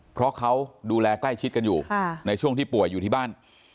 เพราะเขาดูแลใกล้ชิดกันอยู่ในช่วงที่ป่วยอยู่ที่บ้าน